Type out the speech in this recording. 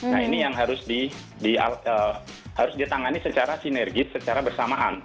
nah ini yang harus ditangani secara sinergis secara bersamaan